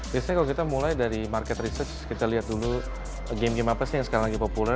biasanya kalau kita mulai dari market research kita lihat dulu game game apa sih yang sekarang lagi populer